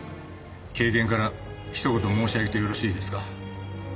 経験からひと言申し上げてよろしいですか？